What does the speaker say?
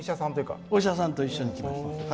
お医者さんと一緒に来ました。